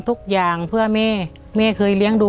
คนที่สองชื่อน้องก็เอาหลานมาให้ป้าวันเลี้ยงสองคน